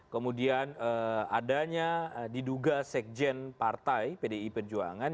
kemudian adanya diduga sekjen partai pdi perjuangan